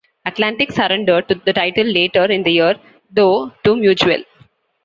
Atlantic surrendered the title later in the year, though, to Mutual.